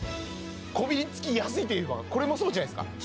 こびりつきやすいといえばこれもそうじゃないですか？